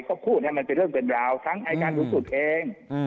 เขาพูดให้มันเป็นเรื่องเป็นราวทั้งอายการสูงสุดเอง